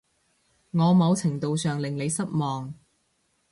我某程度上令你失望